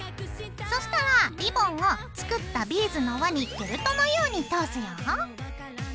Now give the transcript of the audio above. そしたらリボンを作ったビーズの輪にベルトのように通すよ。